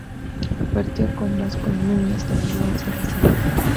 Partió con Vasco Núñez de Balboa hacia las Indias.